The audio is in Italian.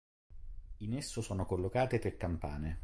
In esso sono collocate tre campane.